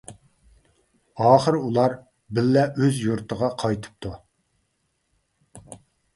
ئاخىرى ئۇلار بىللە ئۆز يۇرتىغا قايتىپتۇ.